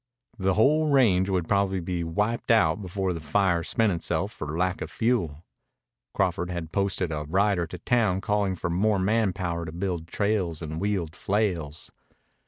The whole range would probably be wiped out before the fire spent itself for lack of fuel. Crawford had posted a rider to town calling for more man power to build trails and wield flails.